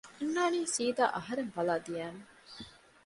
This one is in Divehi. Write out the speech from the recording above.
އަންނާނީ ސީދާ އަހަރެން ބަލާ ދިޔައިމަ